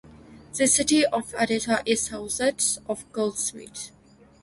The city of Odessa is southeast of Goldsmith.